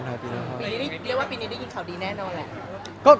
ปีนี้เรียกว่าปีนี้ได้ยินข่าวดีแน่นอนแหละ